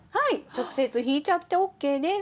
直接引いちゃってＯＫです。